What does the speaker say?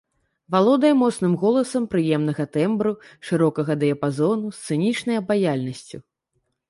Валодае моцным голасам прыемнага тэмбру, шырокага дыяпазону, сцэнічнай абаяльнасцю.